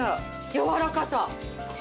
やわらかさ。